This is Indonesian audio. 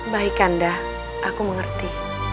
baik anda aku mengerti